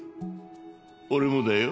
俺もだよ。